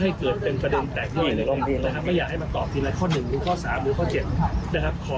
เราจะตอบสังคมอย่างไรบ้างหรือเปล่า